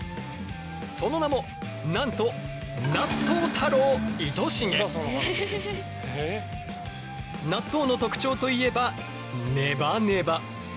その名もなんと納豆の特徴といえばネバネバ！